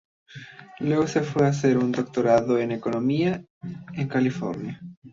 Luego se fue a hacer un doctorado en Economía en California.